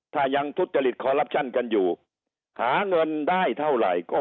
ถ้ายังทุจริตคอลลับชั่นกันอยู่หาเงินได้เท่าไหร่ก็